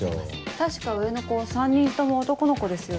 確か上の子３人とも男の子ですよね。